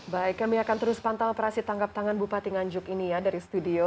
baik kami akan terus pantau operasi tangkap tangan bupati nganjuk ini ya dari studio